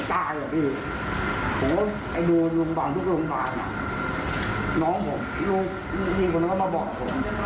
ก็เดี๋ยวพี่ก็รับผิดชอบเกี่ยวกับตัวน้อง